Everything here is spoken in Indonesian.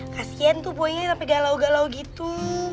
kasian tuh boy nya sampe galau galau gitu